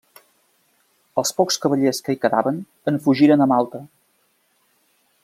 Els pocs cavallers que hi quedaven en fugiren a Malta.